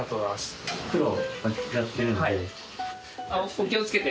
お気を付けて。